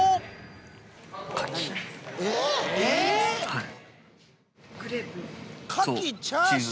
はい。